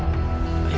gue beli dulu